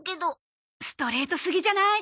ストレートすぎじゃない？